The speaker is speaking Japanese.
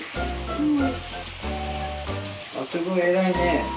うん。